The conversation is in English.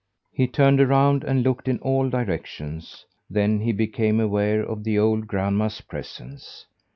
He turned around and looked in all directions; then he became aware of the old grandma's presence.